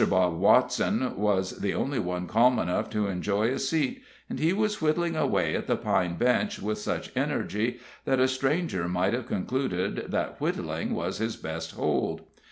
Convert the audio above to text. Bob Watson was the only one calm enough to enjoy a seat, and he was whittling away at the pine bench with such energy that a stranger might have concluded that whittling was his best hold.